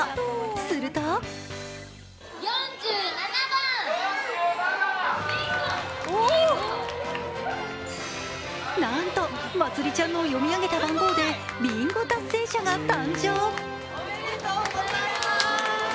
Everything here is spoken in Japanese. するとなんとまつりちゃんの読み上げた番号でＢＩＮＧＯ達成者が誕生。